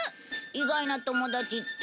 意外な友達って？